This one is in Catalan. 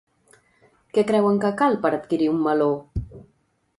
Què creuen que cal per adquirir un meló?